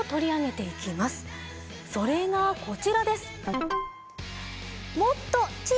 それがこちらです。